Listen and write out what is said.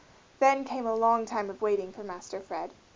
Then came a long time of waiting for Master Fred.